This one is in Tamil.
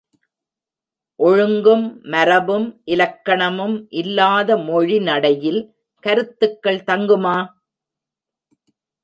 ஒழுங்கும், மரபும், இலக்கணமும் இல்லாத மொழி நடையில் கருத்துக்கள் தங்குமா?